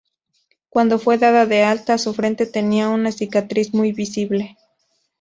Cuando fue dada de alta, su frente tenía una cicatriz muy visible.